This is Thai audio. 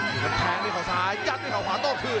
มันแพงด้วยข่าวซ้ายจัดด้วยข่าวขวาโต้พื้น